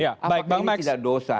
apa ini tidak dosa